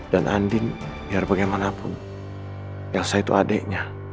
dan andin biar bagaimanapun elsa itu adeknya